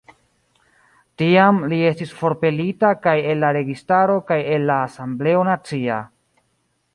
Tiam li estis forpelita kaj el la registaro kaj el la asembleo nacia.